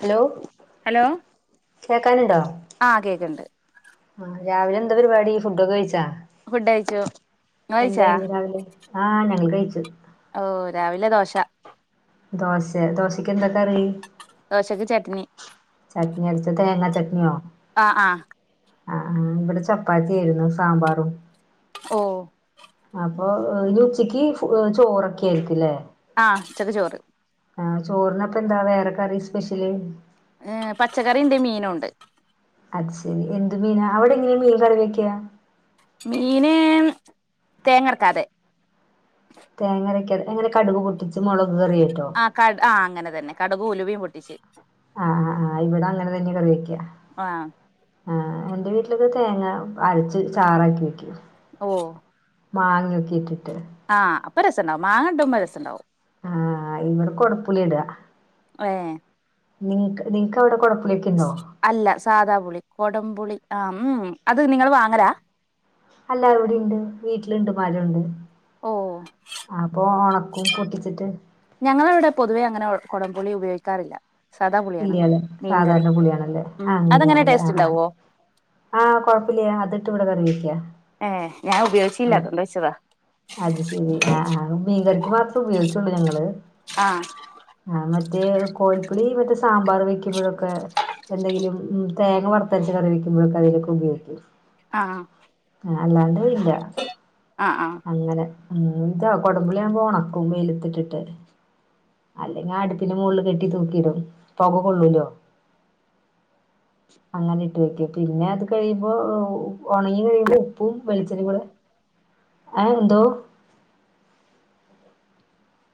Hello hello കേക്കാന്ണ്ടോ ആഹ് കേക്ക്ണ്ട് ആഹ് രാവിലെന്താ പരിവാടി ഫുഡൊക്കെ കഴിച്ചാ ഫുഡ് കഴിച്ചു ഇങ്ങള് കഴിച്ചാ എന്താരുന്നു രാവിലെ ആഹ് ഞങ്ങൾ കഴിച്ചു ഓഹ് രാവിലെ ദോശ ദോശ ദോശക്കെന്താ കറി ദോശക്ക് ചട്നി ചട്നി അടിച്ച തേങ്ങാ ചട്നിയോ ആഹ് ആഹ് ആഹ് ഇവടെ ചപ്പാത്തിയേരുന്നു സാമ്പാറും ഓഹ് അപ്പൊ ഇനി ഉച്ചയ്ക്ക് ഫു ഏഹ് ചോറൊക്കെ ആയിരിക്കുല്ലേ ആഹ് ഉച്ചക്ക് ചോറ് ആഹ് ചോറ്നപ്പന്താ വേറെ കറി സ്പെഷ്യല് ഏഹ് പച്ചക്കറിയ്ണ്ട് മീനുണ്ട് അത് ശരി എന്ത് മീനാ അവടെ എങ്ങനെയാ മീൻ കറിവെക്ക്യാ മീന് തേങ്ങ അരക്കാതെ തേങ്ങ അരക്ക്യാതെ എങ്ങനെ കടുക് പൊട്ടിച്ച് മൊളക് കറിയായിട്ടോ കട ആഹ് അങ്ങനെ തന്നെ കടകും ഉലുവിം പൊട്ടിച്ച് ആഹ് ആഹ് ആഹ് ഇവടെ അങ്ങനെ തന്നെ കറി വെയ്ക്കാ ആഹ് ആഹ് എന്റെ വീട്ട്ലൊക്കെ തേങ്ങ അരച്ച് ചാറാക്കി വെക്ക്യും ഓഹ് മാങ്ങ്യൊക്കെ ഇട്ടിട്ട് ആഹ് അപ്പ രസണ്ടാവും മാങ്ങ ഇടുമ്പോ രസണ്ടാവും ആഹ് ഇവടെ കൊട്പ്പുളിയാ ഇടാ ഏഹ് നിൻക്ക് നിൻക്കവടെ കൊട അല്ല സാദാപുളി കൊടംപുളി ആഹ് ഉം അത് നിങ്ങള് വാങ്ങലാ അല്ല ഇവടെയിണ്ട് വീട്ടില്ണ്ട് മരുണ്ട് ഓ അപ്പൊ ഒണ ക്കും പൊട്ടിച്ചിട്ട് ഞങ്ങളെ ഇവടെ പൊതുവെ അങ്ങനെ കൊടംപുളി ഉപയോഗിക്കാറില്ല സാദാ പുളിയാണ് ഇല്ല്യാല്ലേ മീൻ കറി സാധാരണ പുളിയാണല്ലേ ഉം അതെങ്ങനെ അങ്ങനെയാണല്ലേ ടേസ്റ്റ് ആഹ് ആഹ് ഇണ്ടാവോ ആഹ് കൊഴപ്പല്ല്യാ അതിട്ട് ഇവടെ കറിവെക്ക്യാ ഏഹ് ഞാൻ ഉപയോഗിച്ചില്ല ആഹ് അതോണ്ട് ചോയ്ച്ചതാ അത് ശരി ആഹ് ആഹ് മീൻകറിക്ക് മാത്രേ ഉപയോഗിക്കോള്ളു ഞങ്ങള് ആഹ് ആഹ് മറ്റേ കോൽപ്പുളി വിത്ത് സാമ്പാർ വെക്ക്യുമ്പോഴൊക്കെ എന്തെങ്കിലും ഉം തേങ്ങ വർത്തരച്ച് കറി വെക്ക്യുമ്പോഴക്കെ അതിലൊക്കെ ഉപയോയിക്കും ആഹ് ഏഹ് അല്ലാണ്ട് ഇല്ല ആഹ് ആഹ് അങ്ങനെ ഉം ഇതോ കൊടുമ്പുളിയാവുമ്പോ ഒണക്കും വെയിലത്തിട്ടിട്ട് അല്ലെങ്കി ആ അടുപ്പിന്റെ മോള്ള് കെട്ടി തൂക്കിടും ഉം പൊക കൊള്ളൂലോ അങ്ങനെ ഇട്ട് വെക്ക്യും പിന്നെ അത് കഴിയുമ്പോ ഒ ഒണങ്ങി കഴിയുമ്പോ ഉപ്പും വെള്ച്ചെണ്ണിം കൂടെ അഹ് എന്തോ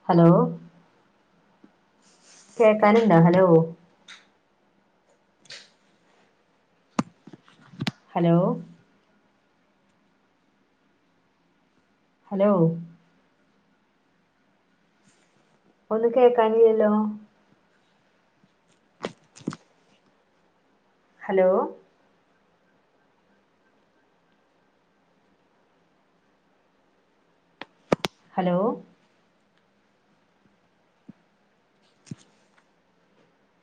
ഹലോ കേക്കാന്ണ്ടോ ഹലോ ഹലോ ഹലോ ഒന്നും കേക്കാനില്ലല്ലോ? ഹലോ? ഹലോ? [unintelligible]